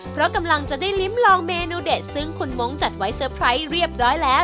เพราะกำลังจะได้ลิ้มลองเมนูเด็ดซึ่งคุณมงค์จัดไว้เซอร์ไพรส์เรียบร้อยแล้ว